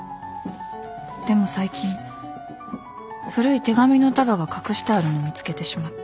でも最近古い手紙の束が隠してあるのを見つけてしまって。